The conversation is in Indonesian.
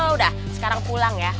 udah sekarang pulang ya